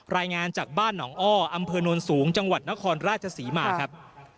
รายงานจากบ้านหนองอ้ออำเภอโน้นสูงจังหวัดนครราชศรีมาครับ